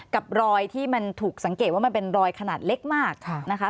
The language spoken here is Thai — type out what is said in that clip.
กับรอยที่มันถูกสังเกตว่ามันเป็นรอยขนาดเล็กมากนะคะ